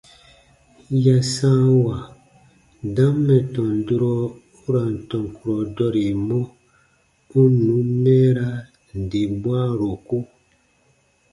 Ya sãawa dam mɛ̀ tɔn durɔ u ra n tɔn kurɔ dɔremɔ, u n nùn mɛɛraa nde bwãaroku.